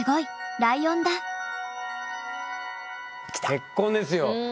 結婚ですよ。